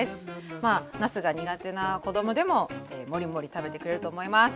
まあなすが苦手な子供でもモリモリ食べてくれると思います。